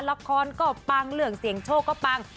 ล่อคอร์นก็ปังหลือเสียงโชคก็ปัง